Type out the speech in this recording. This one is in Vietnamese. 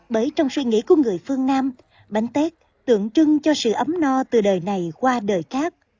bởi trong suy nghĩ của người phương nam bánh tết tượng trưng cho sự ấm no từ đời này qua đời khác